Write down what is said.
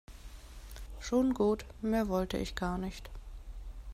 Schon gut, mehr wollte ich gar nicht.